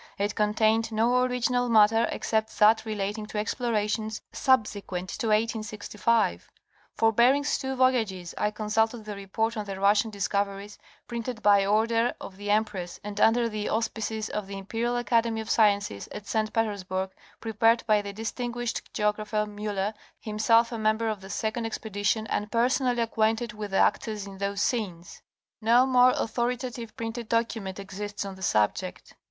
It contained no original matter except that relating to explorations subsequent to 1865. For Bering's two voyages I consulted the report on the Russian Dis coveries printed by order of the Empress and under the auspices of the Imperial Academy of Sciences at St. Petersburg, prepared by the dis tinguished geographer Miiller, himself a member of the second expedi tion and personally acquainted with the actors in those scenes. No more authoritative printed document exists on the subject.